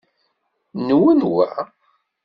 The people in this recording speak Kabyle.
Nwen wa?